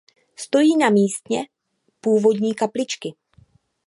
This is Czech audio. Stojí na místě původní kapličky.